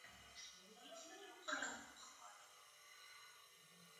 هغه هم بندیان وه.